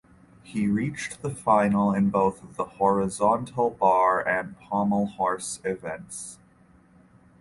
He reached the final in both the horizontal bar and pommel horse events.